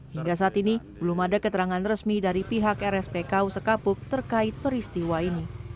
hingga saat ini belum ada keterangan resmi dari pihak rspku sekapuk terkait peristiwa ini